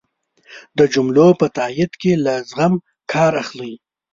د جملو په تایېد کی له زغم کار اخله